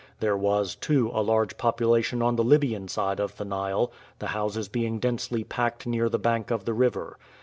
There was, too, a large population on the Libyan side of the Nile, the houses being densely packed near the bank of the river.